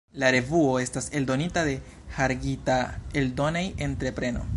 La revuo estas eldonita de Hargita Eldonej-entrepreno.